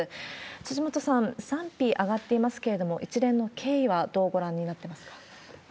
辻元さん、賛否上がっていますけれども、一連の経緯はどうご覧になってますか？